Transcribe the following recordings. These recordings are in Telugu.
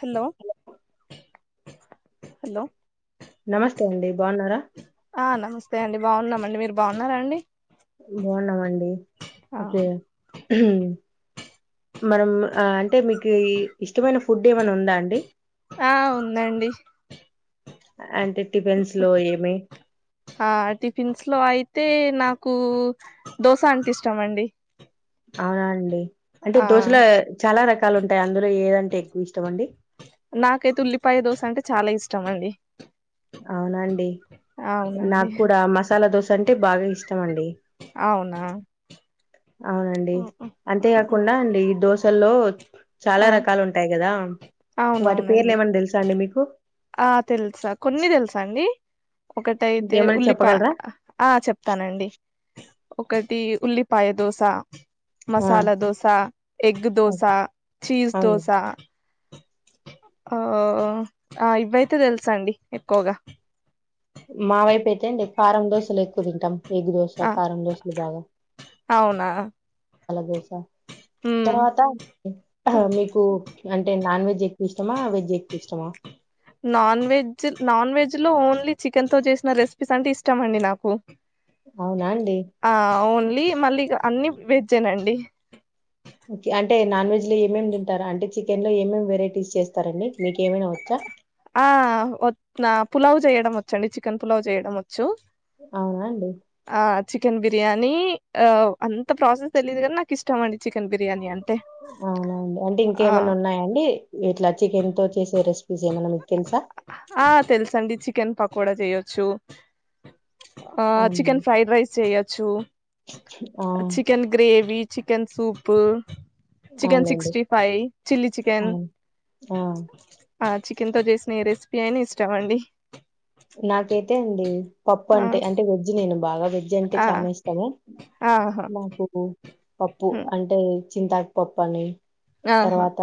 హలో హలో నమస్తే అండి బాగున్నారా ఆ నమస్తే అండి బావున్నామండి మీరు బావున్నారా అండి బావున్నామండి. ఆ ఓకే మనం అంటే మీకు ఇష్టమైన ఫుడ్ ఏమన్నా ఉందా అండి. ఆ ఉందండి. అంటే టిఫెన్స్ లో ఏమి ఆ టిఫిన్స్ లో అయితే నాకు దోశ అంటే ఇష్టమండి. అవునా అండి. అంటే దోశల చాలా రకాలు ఉంటాయి, అందులో ఏదంటే ఎక్కువ ఇష్టం అండి. ష్టమండి. అవునాండి నా కూడా మసాలా దోస అంటే బాగా ఇష్టమండి. అవునా అవునండి అంతేకాకుండా అండి ఈ దోశ హలో చాలా ఆ రకాలు ఉంటాయి కదా వాటి పేర్లు అవునవునండి ఏమన్నా తెలుసా అండి మీకు హు ఆ తెల్సా కొన్ని తెలుసండి. ఒకటైతే ఏమైనా ఉల్లిపాయ చెప్పగలరా? ఆ చెప్తానండి ఒకటి ఉల్లిపాయ దోస ఆ! మసాలా దోసా, ఎగ్ ఆ! దోస, చీజ్ అవును. దోస ఆ ఆ ఇవయితే తెలుసండి ఎక్కువగా మా వైపు అయితే అండి కారం దోశలు ఎక్కువ తింటాం. ఎగ్ దోశ, ఆ కారం దోశలు బాగా అవునా పాలా దోశ ఉమ్ తర్వాత మీకు అంటే నాన్ వెజ్ ఎక్కువ ఇష్టమా, వెజ్ ఎక్కువ ఇష్టమా. నాన్ వెజ్, నాన్ వెజ్ లో ఓన్లీ చికెన్ తో చేసిన రెసిపీస్ అంటే ఇష్టమండి నాకు. అవునా అండి ఆ ఓన్లీ మళ్ళీ అన్ని వెజేనండి. అంటే నాన్ వెజ్ లో ఏమేమి తింటారు, అంటే చికెన్ లో ఏమేమి వెరైటీస్ చేస్తారండి మీకు ఏమైనా వచ్చా. ఆ వ పులావ్ చేయడం వచ్చండి, చికెన్ పులావ్ చేయడం వ అవునా అండి. చికెన్ బిర్యానీ ఆ అంత ప్రాసెస్ తెలియదు కానీ నాకు ఇష్టం అండి చికెన్ బిర్యానీ అ అవునా అండి అంటే ఇంక ఏమన్నా ఉన్నాయా అండి ఇట్లా చికెన్ తో చేసే రెసిపీస్ ఏమన్నా ఆ తెల్సండి చికెన్ పకో డా చేయొచ్చు. ఆ అవునండి చికెన్ ఫ్రైడ్ రైస్ చెయొచ్చు, ఆ, chicken gravy chicken soup chicken అవునులేండి సిక్స్టీ ఫైవ్ చల్లీ చికెన్ అవును ఆ. ఆ ఎంతో చేసిన ఈ రెసిపీ అయినా ఇష్టం అండి నాకైతే అండి పప్పు ఆ అంటే అంటే వెజ్ నేను బా వెజ్ అంటే ఆ చాలా ఇష్టము ఆహా నాకు పప్పు హ్మ్, అంటే చింతకు పప్పని ఆహా తర్వాత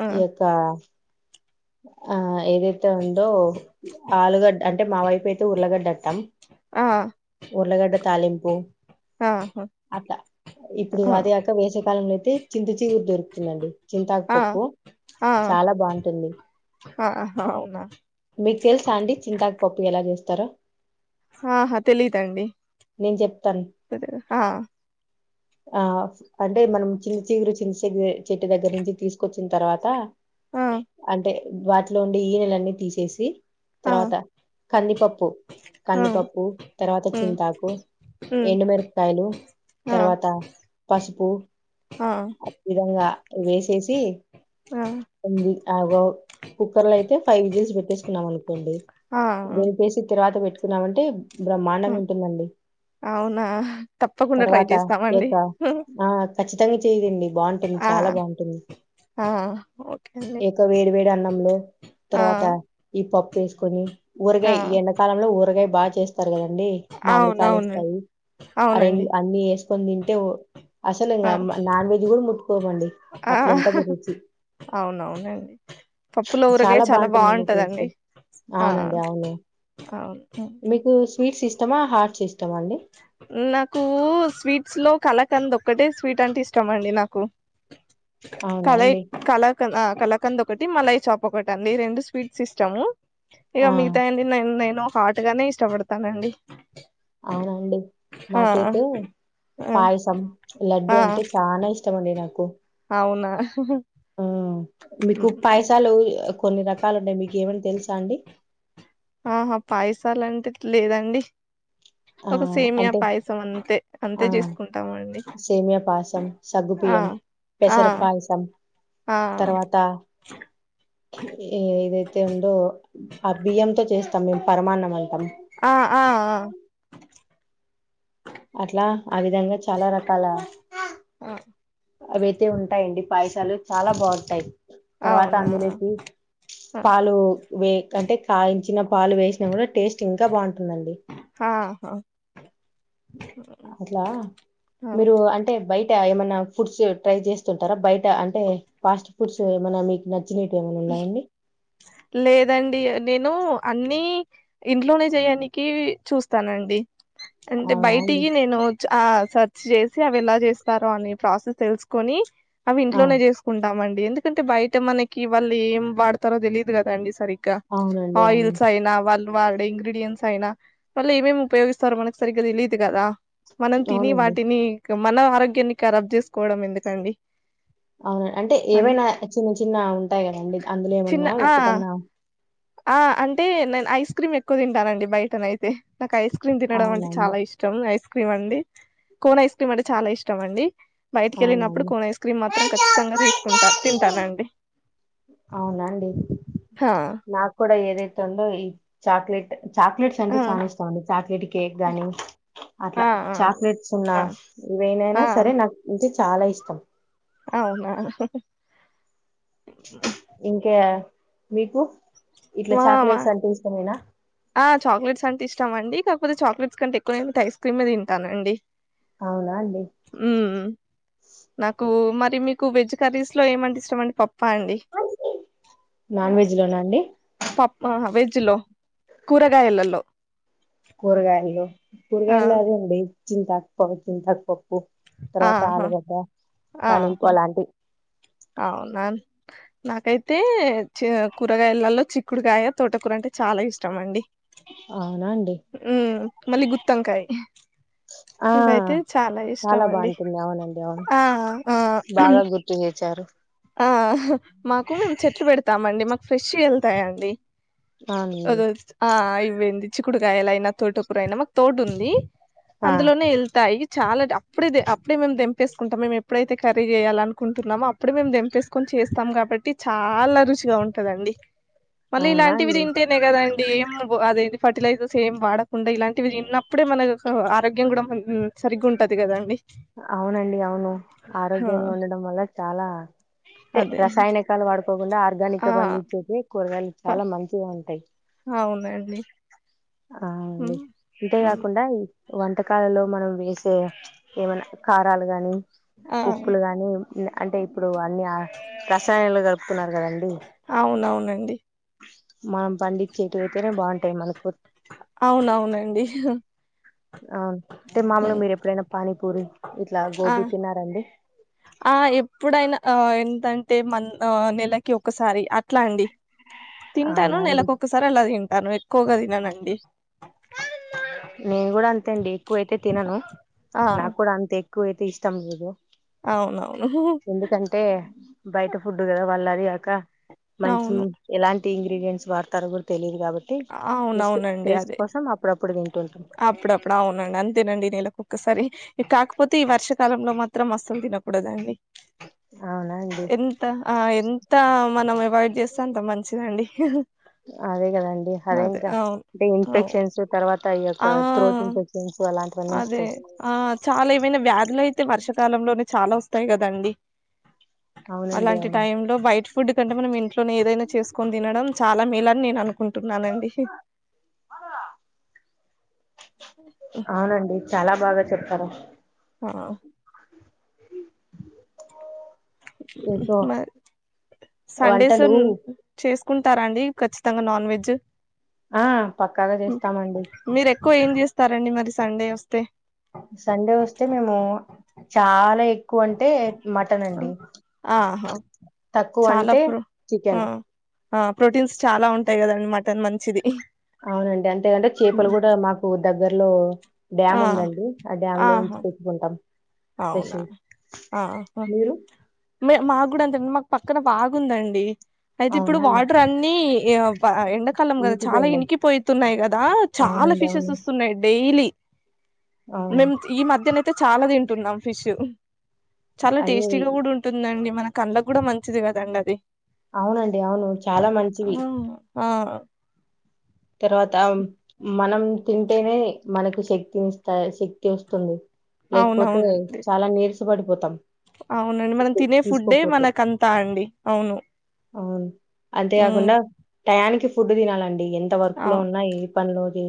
ఆ ఈ యొక్క ఆ ఏదైతే ఉందో ఆలుగడ్ అంటే మా వైపు అయితే ఉలగడ్డ అట్ట ఆ ఉలగడ్డ తాలింపు ఆహా అట్లా ఇప్పుడు ఆ అదియాక వేసవికాలంలో తీ చింతే చిగురు దొరుకుతుందండి చింతాకు ఆ పప్పు ఆ చాలా బాగుంటుంది ఆహా అవునా మికు తెల్స అండి చింతాకు పప్పు ఎలా చేస్త త్తర ఆహా తెలిదండి నేను చెప్తాను ఆ ఆ అంటే మనం చిన్న చిగురు చిన్న చింత చెట్టు దగ్గర నుంచి తీసుకొచ్చిన తర్వాత ఆ అంటే బ లో ఉండి ఈయ నెలన్నీ తీసేసి ఆ తర్వాత కందిపప్పు ఆ కందిపప్పు తర్వాత ఉమ్ చింతాకు ఉమ్ ఎండుమిరపకాయలు ఆ తర్వాత పసుపు ఆ విధంగా వేసేసి కుక్కర్ లో అయితే ఫైవ్ విజిల్స్ పెట్టేకున్నాం అనుకు ండి ఆ ఆ వెేని కేసి తేరావాత పెట్ తిన్నామంటే బ్రహ్మాండంగా హ్మ్. ఉంటుందండి అవునా తప్పకుండా ట్రై తర్వాత చేస్తామండి ఇక ఆ కఖచ్చితంగా చేయదండి బాగుంటుంది ఆ చాలా బాగుంటుంది ఆ ఓకే అండి ఇక వేడి వేడి అన్నం ఆ తర్వాత ఈ పప్పు వేసుకొని ఆ ఊరగాయ ఎండాకాలంలో ఊరగాయ బాగా చేస్తారు కదంీ మామిడికాలు అవునవును వస్తాయి అ రెం అవునండి అన్ని వేస్త కొని తింటే అసలు ఆ ఇంకా నాన్ వెజ్ కూడా ముట్టుకోమండి ఆ అట్లుంటుంది రుచి అవునవునండి పప్పులో ఊరగాయ చాలా బాగుంటుందండి టేస్ట్ బాగుంటదండి ఆ అవునండి అవును అవును మీకు స్వీట్స్ ఇస్తమా హార్డ్ సి నాకు స్వీట్స్ లో కలక్ తనది ఒక్కటే స్వీట్ అంటే ఇష్టం అండి నాకు అవునా కళయి అండి కళకళ కలకంద ఒకటి మలాయి చాప్ ఒకటి అండి రెండు స్వీట్ ఇష్టము ఇక ఆ మిగతా అంది నేను హాట్ గానే ఇష్టపడతానండి అవునండి ఆ నాకైతే ఆ పాయసం లడ్డు ఆ అంటే చాలా ఇష్టం అండి నాకు అవునా ఆ మీకు పైసాలు కొన్ని రకలు కాాలంటే మీకు ఏమని తెలుసా అండి ఆహా పాయసాలంటే లేదండి ఆ! ఒక సేమియా అంటే పాయసం అంతే అంతే ఆ! చేసుకుంటాం అండి సేమియా పాయసం, ఆ సగ్గుబియ్యం, ఆ పెసర పాయసం, ఆ తర్వాత ఏదైతే ఉందో ఆ బియ్యంతో చేస్తాం మేము పరమాన్నం అంటాం. ఆ ఆ ఆ అట్లా ఆ విధంగా చాలా రకాల ఆ అవైతే ఉంటాయండి పాయసాలు చాలా బాగుంటాయి తర్వాత అవునా అందరికి ఆ, పాలు వే అంటే కాయించిన పాలు వేసినా కూడా టేస్ట్ ఇంకా బాగుంటుందండి ఆహా అట్లా ఆ, మీరు అంటే బయటి ఏమన్నా ఫుడ్స్ ట్రై చేస్తుంటారా బయట అంటే ఫాస్ట్ ఫుడ్స్ ఏమ మీకు న హు లేదండి నేను అన్ని ఇంట్లోనే చేయనికి చూస్తానండి అంటే అవునా అండి? బయటికి నేను చా- సెర్చ్ చేసి అవి ఎలా చేస్తారు అని ప్రాసెస్ తెలుసుకొని అవి ఆ! ఇంట్లోనే చేసుకుంటామండి ఎందుకంటే బయట మనకి ఇ వళ్ళు ఏం వాడతారో తెలిదు కదా అండి సరిగ్ అ అవునండి. అవును. ఆయిల్స్ అయినా వాళ్ వాళ్లు ఇంగ్రీడియంట్స్ అయినా వాళ్ళు ఏమేమి ఉపయోగిస్తారో మనకి సరిగ్గా తెలియదు కదా మనం తిని అవునండి. వాటిని మన ఆరోగ్యాన్ని ఖరాబ్ చేసుకోవడం ఎందుకండి అవున అంటే అని ఏవైనా చిన్న చిన్న ఉంటాయి కదా యండి అందులో చిన్న ఏమన్నా ఆ ఒక్కటన్నా ఆ అంటే నేను ఐస్ క్రీం ఎక్కువ తింటానండి బయటనైతే నాకు ఐస్ క్రీం తినడం అంటే అవునండి. చాలా ఇష్టం ఐస్ క్రీం అండి కోన్ ఐస్ క్రీం అంటే చాలా ఇష్టం అండి బయటికెళ్ళినప్పుడు అవునండి. కోన్ ఐస్ క్రీం మాత్రం ఖచ్చితంగా తీసుకుంటా తింటానండి అవునండి హా నాకు కూడా ఏదైతే ఉందో ఈ చాక్లెట్ చాక్లెట్స్ అంటే ఆ చాలా ఇష్టం అండి చాక్లెట్ కేక్ గాని ఆ అట్లా ఆ చాక్లెట్స్ ఉన్నా ఆ వేనైనా సరే నాకుంటే చాలా ఇష్టం అవునా ఇంకే మీకు ఇట్ల మా మా చాక్లెట్స్ అంటే ఇష్టమేనా ఆ చాక్లెట్స్ అంటే ఇష్టం అండి కాకపోతే చాక్లెట్స్ కంటే ఎక్కువ నేను టైస్ క్రీమే తింటానండి అవునా అండి. ఉమ్ నాకు మ మీకు వెజ్ కర్రీ స్ లో ఏమంటే ఇష్టం అండి పప్ నాన్ వెజ్ లోనా అండి పప్పా వెజ్ లో కూరగాయలల్లో కూరగాయలల్లో కూరగాయల్లో అదండీ చింతాక్ ప చింతాక్ పప్ ఉప్ తర్వాత ఆహా ఆలుగడ్డ తాలింపు ఆహా అలాంటివి అవునా నాకైతే చి కూరగాయలలో చిక్కుడుకాయ తోటకూర అంటే చాలా ఇష్టం అండి అవునా అండి ఉమ్ మళ్ళీ గుత్తొంకాయ్ ఆ చాలా అండి బాగుంటుంది అవునండి అవును ఆ ఆ బాగా గుర్తు చేసారు ఆ మాకు చెట్లు పెడుత తామండి మాకు ఫ్రెష్ వెళ్తాయండి అవునండి అది ఆ ఇ ఏంది చిక్కుడుకాయలు అయినా తోటకూరైనా మాకు తోట ఉంది ఆ అందులోనే వెళ్తాయి చాలా అప్పుడే అప్పుడే మేము తెంపేసుకుంటాం మేమెప్పుడైతే కర్రీ చేయాల నుకుంటున్నామో అప్పు ప్పుడు మేము దంపేసుకొని చేస్తాం కాబట్టి చాలా రుచిగా ఉంటదండి మళ్ళీ అవునా ఇలాంటివి అండి తింటేనే కదాండి ఏం అదేది ఫర్టిలైజర్స్ ఏం వాడకుండా ఇలాంటివి తిన్నప్పుడే మనాకు ఆరోగ్యం కూడా సరిగ్ ఉంటది కదండి అవునండి అవును హా ఆరోగ్యంగా ఉండడం వల్ల చాలా అే అదే రసాయనకాలు వాడుకోకుండా ఆ ఆర్గానిక్గా పండించేవి కూరగాయలు ప చాలా మంచి ఉంటాయి అవునండి అండి హ్మ్, హ్మ్. ఇంతేకాకుండా వంటకాలలో మనం వేసే ఏమన్నా కారాలు గాని ఆ ఉప్పులు గాని అంటే ఇప్పుడు అన్ని రసాయనాలు క న్నారు కదండి అండి మనం పండించిటివి అయితేనే బాగుంటాయి మనకు అవునవునండి అవును అంటే మామూలుగా హ్మ్. మీరు ఎప్పుడైనా పానీపూరి ఇట్లా ఆ గోబీ తిన్నారండి ఆ ఎప్పుడైనా ఆ ఏంటంటే మ నెలకి ఒకసారి అట్లా అండి తింటాను అవునా నెల అండి ఒక్కసారి అట్లా తను ఎక్కువగా తిననండి నేను కూడా అంతే అండి ఎక్కువైతే తినను ఆ నాకు కూడా అంతే ఎక్ ఎకుయతే ఇష్టం లేదు అవునవును ఎందుకంటే బయట ఫుడ్డు కదా వాళ్ళ అదికాక మంచి అవును ఎలాంటి ఇంగ్రీడియంట్స్ వాడతారో కూడా తెలిదు కాబటి అవునవునండి అదే ంట అప్పుడప్పుడు అవునండి అంతేనండి నెల ఒసారి ఇ కాకపోతే ఈ వర్షకాలంలో మాత్రం అసలు తినకూడదండి అవునా అండి ఎంత ఆ ఎంత మనం అవాయిడ్ చేస్తే అంత మంచిదండి అదే కదండి అదే ఇంకా అవును అంటే అవు ఇన్ఫెక్షన్స్ తర్వాత యొక్క ఆ త్రోట్ ఇన్ఫెక్షన్స్ అలాంటి అదే ఆ చాలా ఏమైనా వ్యాధులు అయితే వర్షాకాలంలోనే చాలా వస్తాయి కదండి అవునండి అలాంటి అవును టైం లో బయట ఫుడ్ కంటే మనం టి ఏదైనా చేసుని తినడం చాలా మేలని నేను అనుకు కుంటున్నానండి అవునండి చాలా బాగా చెప్పారు ఆ ఇంకో మ సండేస్ వంటలు చేస్ కొంటారండీ ఖచ్చితంగా నాన్ వెజ్ ఆ పక్కాగా చేస్తామండి మీరు ఎక్కువ ఏం చేస్తారండి మరి సండే వస్తే సండే వస్తే మేము చాలా ఎక్కువ అంటే మటన్ అండి ఆహా తక్కువ చాలా అంటే ప్రో ఆ చికెన్ ఆ ప్రోటీన్స్ చాలా ఉంటాయి కదండీ మటన్ మంచిది అవునండి అంతేకంటే చేపలు కూడా మాకు దగ్గర్లో ఆ డ్యామ్ ఉందండి ఆ డ్యామ్ లో నుంచి ఆహా తెచ్చుకుంటాం అవునా ఫ్రెష్‌వి. ఆహా మీరు? మే మాకు కూడా అంతే మాకు పక్కన బాగుందండి అయితే ఇప్పుడు అవునా అండి. వాటర్ అన్ని ఈగ వా ఎండాకాలం కదా చాలా ఇంకిపోయినయి. ఇనికిపోయితున్నాయి కదా చాలా అవునండి. ఫిషెస్ అవును. వస్తున్నాయి డైలీ అవును. మీమ్ తి ఈ మధ్యనే అయితే చాలా తింటున్నాం ఫిష్ చాలా అయ్యో! ఇ- టేస్టీగా కూడా ఉం డి మన కళ్ళకి కూడా మంచిది కదండి అది అవునండి అవును చాలా ఆ మంచివి ఆ తర్వాత మనం తింటేనే మనకు శక్తినిస్తాయి శక్తి వస్తుంది లేకపోతే అవునవునండి చాలా నిరస ష్ పడిపోతాం అవునండి మనం ఫుడ్డు తినే ఫుడ్డే తీసుకోకపోతే. మనకు అంతా అండి అవును అవును. అంతే ఊ గాకుండా టయానికి ఫుడ్ దినాలండి [inaudible] టే వర్క్ లో ఉన్నా ఏ పనిలోది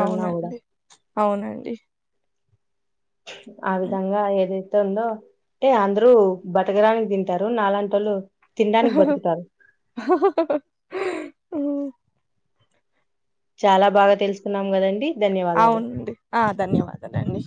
అవునండి అవునండి ఆ విధంగా ఏదైతే ఉందో టే అందరూ బతకడానికి తింటారు నాలాంటోళ్ళు తినడానికి బతుకుతారు ఉమ్, చాలా బాగా తెలుసుకున్నాం గదండి ధన్యవాదాలు అవునండి ఆ ధన్యవాదాలండి